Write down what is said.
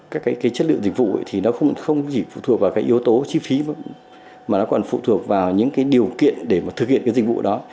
các cái chất lượng dịch vụ thì nó không chỉ phụ thuộc vào cái yếu tố chi phí mà nó còn phụ thuộc vào những cái điều kiện để mà thực hiện cái dịch vụ đó